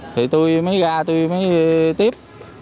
thì tôi mới ra tôi mới tiếp